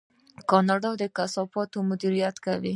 کاناډا د کثافاتو مدیریت کوي.